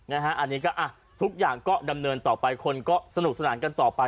อันนี้ก็ทุกอย่างก็ดำเนินต่อไปคนก็สนุกสนานกันต่อไป